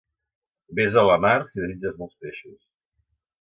Vés a la mar, si desitges molts peixos.